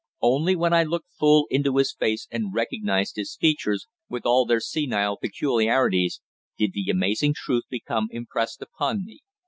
Only when I looked full into his face and recognised his features, with all their senile peculiarities, did the amazing truth become impressed upon me.